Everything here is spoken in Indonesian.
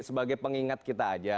sebagai pengingat kita aja